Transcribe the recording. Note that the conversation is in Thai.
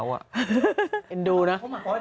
กินดูนะ